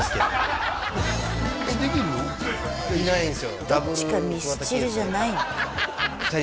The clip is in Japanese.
どっちかミスチルじゃないの？